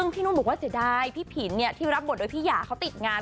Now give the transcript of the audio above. พี่นุนบอกว่าเสียดายว่าพี่ผินรับบทโดยพี่เยาะปลุกติดงาน